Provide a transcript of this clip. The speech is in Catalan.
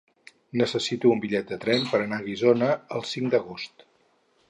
Necessito un bitllet de tren per anar a Guissona el cinc d'agost.